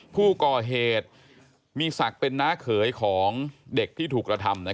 ผู้ก่อเหตุมีศักดิ์เป็นน้าเขยของเด็กที่ถูกกระทำ